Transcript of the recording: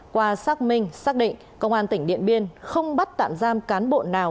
qua xác minh xác định công an tỉnh điện biên không bắt tạm giam cán bộ nào